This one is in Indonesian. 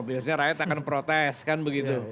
biasanya rakyat akan protes kan begitu